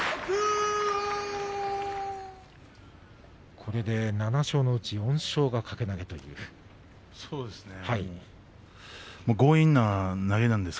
これで７勝のうち４勝が掛け投げです。